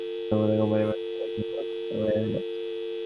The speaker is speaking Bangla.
ভাড়া করা লোকেরা পণ্যের বিজ্ঞাপনের মতো কোম্পানির পক্ষে কথা বলে যাচ্ছেন।